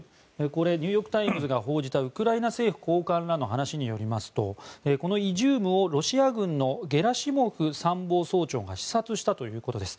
これニューヨーク・タイムズが報じたウクライナ政府高官らの話によりますとこのイジュームをロシア軍のゲラシモフ参謀総長が視察したということです。